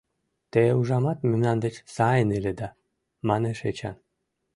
— Те, ужамат, мемнан деч сайын иледа? — манеш Эчан.